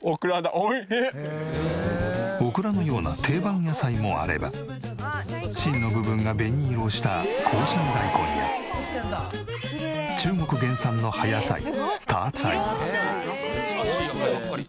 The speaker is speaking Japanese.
オクラのような定番野菜もあれば芯の部分が紅色をした紅芯大根や中国原産の葉野菜色んな種類がある。